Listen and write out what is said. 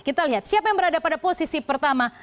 kita lihat siapa yang berada pada posisi pertama